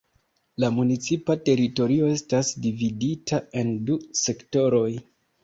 La municipa teritorio estas dividita en du sektoroj.